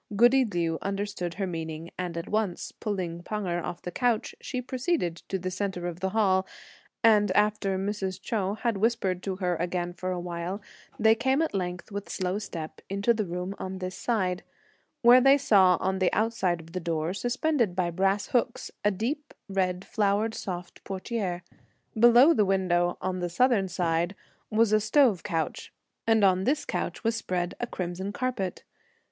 Goody Liu understood her meaning, and at once pulling Pan Erh off the couch, she proceeded to the centre of the Hall; and after Mrs. Chou had whispered to her again for a while, they came at length with slow step into the room on this side, where they saw on the outside of the door, suspended by brass hooks, a deep red flowered soft portière. Below the window, on the southern side, was a stove couch, and on this couch was spread a crimson carpet.